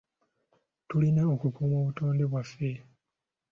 Tulina okukuuma obutonde bwaffe.